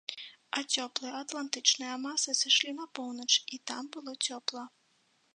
А цёплыя атлантычныя масы сышлі на поўнач і там было цёпла.